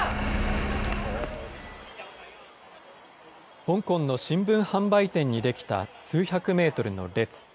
香港の新聞販売店に出来た数百メートルの列。